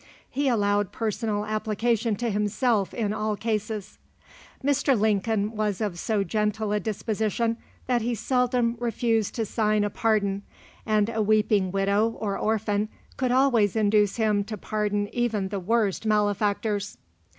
He allowed personal application to himself in all cases. Mr. Lincoln was of so gentle a disposition that he seldom refused to sign a pardon, and a weeping widow or orphan could always induce him to pardon even the worst malefactors.